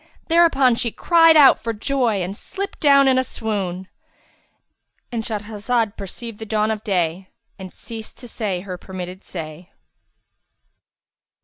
Thereupon she cried out for joy and slipped down in a swoon;—And Shahrazad perceived the dawn of day and ceased to say her permitted say.